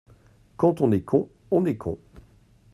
Quand on est con, on est con !